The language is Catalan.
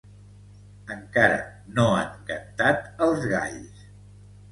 Encara no han cantat els galls.